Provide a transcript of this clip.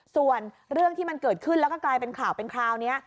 ส่วนเรื่องที่มันเกิดขึ้นแล้วก็กลายเป็นข่าวเป็นคราวนี้